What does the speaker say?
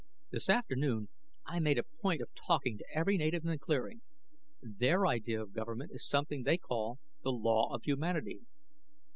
"This afternoon I made a point of talking to every native in the clearing. Their idea of government is something they call the law of humanity.